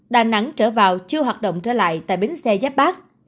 đà nẵng trở vào chưa hoạt động trở lại tại bến xe giáp bát